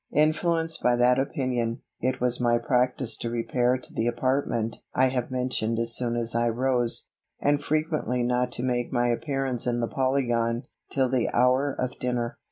Influenced by that opinion, it was my practice to repair to the apartment I have mentioned as soon as I rose, and frequently not to make my appearance in the Polygon, till the hour of dinner.